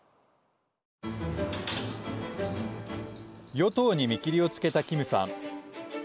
与党に見切りをつけたキムさん。